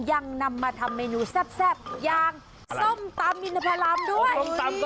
ยังนำมาทำเมนูแซ่บอย่างส้มตำอินทพรรมด้วย